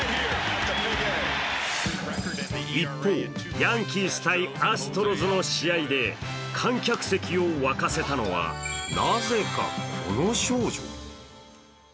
一方、ヤンキース×アストロズの試合で観客席を沸かせたのはなぜかこの少女。